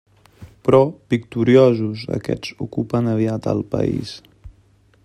Però, victoriosos, aquests ocupen aviat el país.